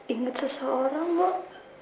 ingat seseorang mbak